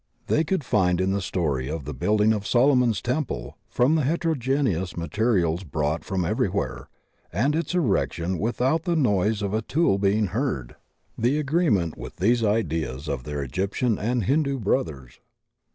They could find in the story of tiie building of Solomon's Temple from the heterogeneous ma terials brought from everywhere, and its erection with out the noise of a tool being heard, the agreement / 20 THE OCEAN OF THEOSOPHY with these ideas of their Egyptian and Hindu brothers.